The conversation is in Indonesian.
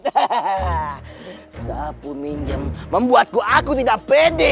hahaha sapu minjem membuatku aku tidak pede